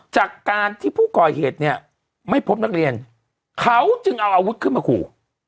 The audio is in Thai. จากการที่ผู้ก่อเหตุเนี่ยไม่พบนักเรียนเขาจึงเอาอาวุธขึ้นมาขู่